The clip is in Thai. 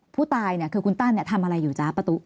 ผู้ตายคือคุณตั้นทำอะไรอยู่จ๊ะประตู